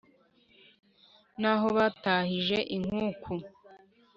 Naho batahije inkuku;